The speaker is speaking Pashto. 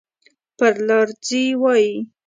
پر لار ځي وایي.